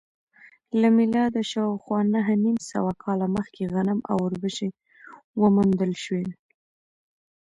له میلاده شاوخوا نهه نیم سوه کاله مخکې غنم او اوربشې وموندل شول